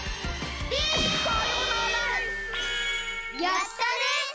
やったね！